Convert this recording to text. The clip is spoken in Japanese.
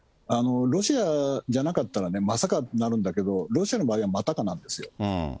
ロシアじゃなかったらね、まさかってなるんだけど、ロシアの場合は、またかなんですよ。